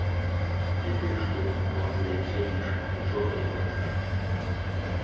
І ты ж тут, матуля, сядзіш, нічога не бачыш.